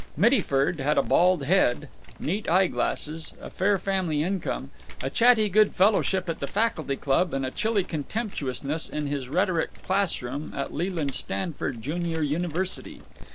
Mittyford had a bald head, neat eye glasses, a fair family income, a chatty good fellowship at the Faculty Club, and a chilly contemptuousness in his rhetoric class room at Leland Stanford, Jr., University.